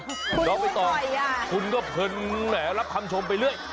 คุณรู้ต่ออีกอย่างคุณก็เผินแหละรับคำชมไปเรื่อย